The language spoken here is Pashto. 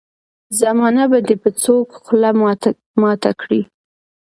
زمانه به دي په سوک خوله ماته کړي.